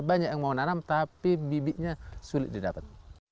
banyak yang mau nanam tapi bibitnya sulit didapat